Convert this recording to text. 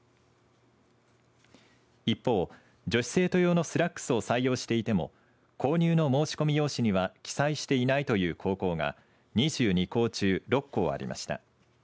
一方、女子生徒用のスラックスを採用していても購入の申し込み用紙には記載していないという高校が２２校中６校ありました。